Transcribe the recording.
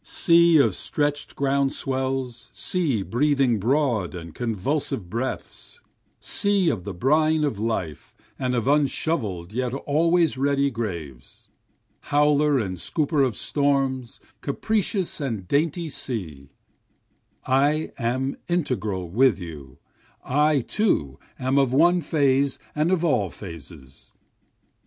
Sea of stretch'd ground swells, Sea breathing broad and convulsive breaths, Sea of the brine of life and of unshovell'd yet always ready graves, Howler and scooper of storms, capricious and dainty sea, I am integral with you, I too am of one phase and of all phases.